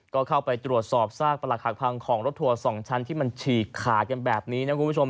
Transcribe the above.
ก็เข้าไปตรวจสอบซากประหลักหักพังของรถทัวร์๒ชั้นที่มันฉีกขาดกันแบบนี้นะคุณผู้ชม